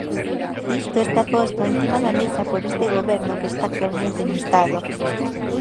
Isto está posto encima da mesa por este goberno que está actualmente no Estado.